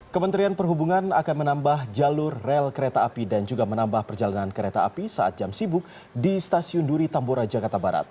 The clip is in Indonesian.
kementerian perhubungan akan menambah jalur rel kereta api dan juga menambah perjalanan kereta api saat jam sibuk di stasiun duri tambora jakarta barat